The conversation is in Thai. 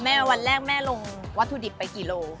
วันแรกแม่ลงวัตถุดิบไปกี่โล